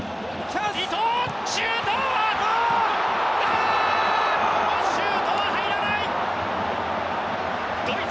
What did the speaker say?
このシュートは入らない。